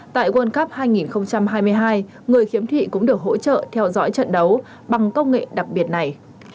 tại world cup hai nghìn hai mươi hai người khiếm thị cũng được hỗ trợ theo dõi trận đấu bằng công nghệ đặc biệt này